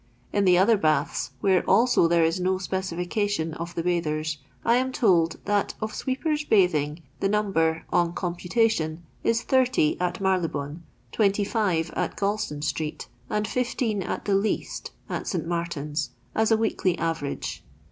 In the other baths, where also there is no specification of the bathers, I am told, that of sweepers bathing the number (on computation) is 30 at Marylcbone, 25 at Guulston street, and 15 (at the least) at St. Martin's, as a weekly average.